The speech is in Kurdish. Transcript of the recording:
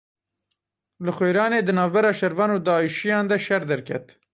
Li Xwêranê di navbera şervan û Daişiyan de şer derket.